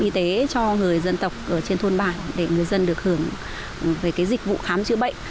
y tế cho người dân tộc ở trên thôn bản để người dân được hưởng về dịch vụ khám chữa bệnh